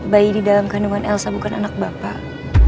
bayi di dalam kandungan elsa bukan anak bapak